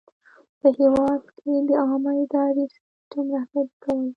په هیواد کې د عامه اداري سیسټم رهبري کول.